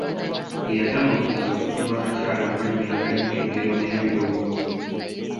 Ye yatanuukiriza okutuuma abakyala amannya agalimu engero n'ebirowoozo.